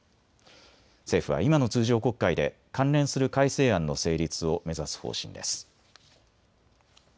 政府は今の通常国会で関連する改正案の成立を目指す方針です。